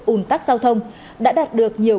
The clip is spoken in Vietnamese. ủn tắc giao thông đã đạt được nhiều